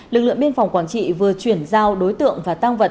lực lượng biên phòng quản trị vừa chuyển giao đối tượng và tang vật